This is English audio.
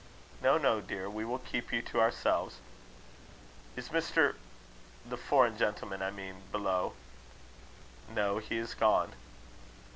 "No, no, dear; we will keep you to ourselves." "Is Mr. , the foreign gentleman, I mean below?" "No. He is gone."